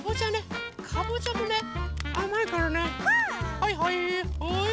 はいはいはい。